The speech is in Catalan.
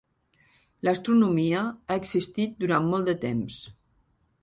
L'astronomia ha existit durant molt de temps.